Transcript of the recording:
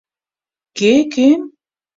«Кӧ — кӧм?